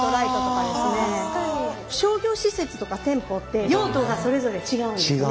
商業施設とか店舗って用途がそれぞれ違うんですね。